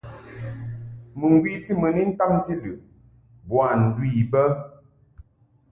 Muŋgwi ti mɨ ni ntamti lɨʼ boa ndu I bə.